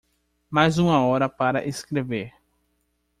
Mais uma hora para escrever.